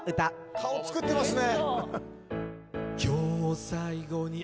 顔作ってますね